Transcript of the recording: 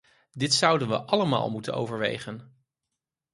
Dit zouden we allemaal moeten overwegen.